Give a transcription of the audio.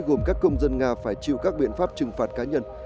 gồm các công dân nga phải chịu các biện pháp trừng phạt cá nhân